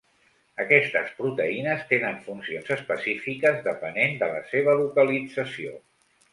Aquestes proteïnes tenen funcions específiques depenent de la seva localització.